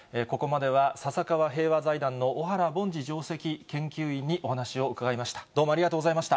ここまでは笹川平和財団の小原凡司上席研究員にお話を伺いました。